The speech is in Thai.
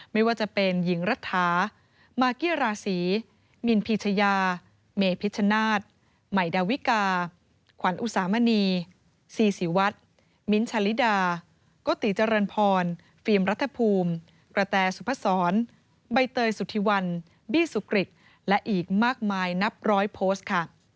ไม่ว่าจะเป็นหญิงรัฐามากี้ราศีมินพีชยาเมพิชชนาธิ์ใหม่ดาวิกาขวัญอุสามณีซีวัตรมิ้นท์ชาลิดาโกติเจริญพรฟิล์มรัฐภูมิกระแตสุพศรใบเตยสุธิวันบี้สุกริตและอีกมากมายนับร้อยโพสต์ค่ะ